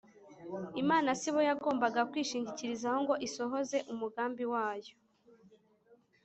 . Imana sibo yagombaga kwishingikirizaho ngo isohoze umugambi wayo.